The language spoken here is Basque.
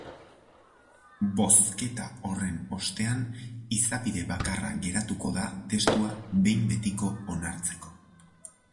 Bozketa horren ostean, izapide bakarra geratuko da testua behin betiko onartzeko.